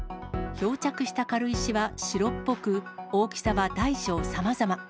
漂着した軽石は白っぽく、大きさは大小さまざま。